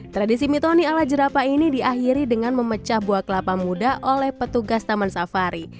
tradisi mitoni ala jerapah ini diakhiri dengan memecah buah kelapa muda oleh petugas taman safari